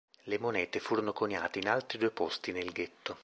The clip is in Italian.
Le monete furono coniate in altri due posti nel ghetto.